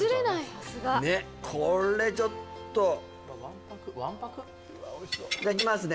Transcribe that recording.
さすがこれちょっといただきますね